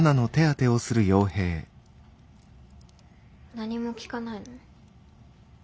何も聞かないの？